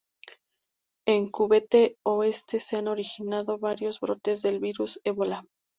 En Cuvette-Oeste se han originado varios brotes del virus Ébola.